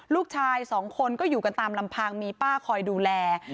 ลูกชายสองคนก็อยู่กันตามลำพังมีป้าคอยดูแล